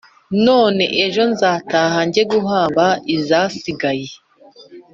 none ejo nzataha njye guhamba izasigaye;